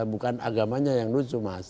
bukan agamanya yang lucu mas